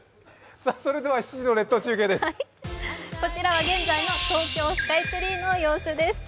こちらは現在の東京スカイツリーの様子です。